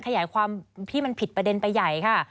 ขยายความที่มันผิดประเด็นไปใหญ่ค่ะ